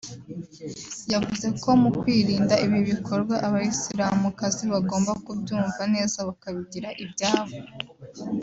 yavuze ko mu kwirinda ibi bikorwa abasilamukazi bagomba kubyumva neza bakabigira ibyabo